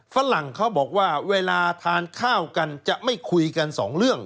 ฝรั่งเขาบอกว่าเวลาทานข้าวกันจะไม่คุยกันสองเรื่อง